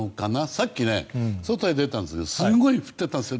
さっき、外へ出たんですがすごい降ってたんですよ。